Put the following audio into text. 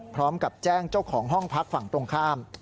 พร้อมกับแจ้งเจ้าของห้องพักฝั่งตรงข้าม